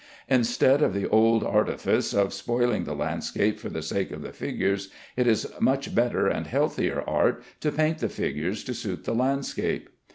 Instead of the old artifice of spoiling the landscape for the sake of the figures, it is much better and healthier art to paint the figures to suit the landscape.